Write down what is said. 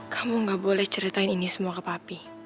kamu gak boleh ceritain ini semua ke papi